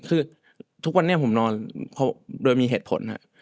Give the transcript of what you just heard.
คือทุกวันนี้ผมนอนโดยมีเหตุผลครับ